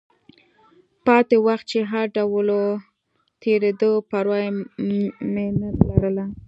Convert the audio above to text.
پاتې وخت چې هر ډول و، تېرېده، پروا مې نه لرله.